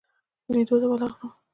لیدلو ته ورغلم.